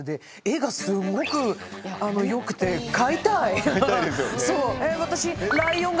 絵がすごく良くて買いたいですよね。